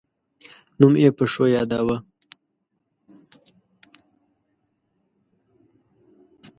نوم یې په ښو یاداوه.